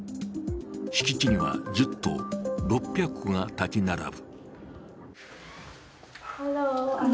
敷地には１０棟、６００戸が立ち並ぶ。